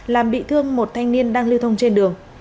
làm bị thương một thanh niên đang lưu thông trên đường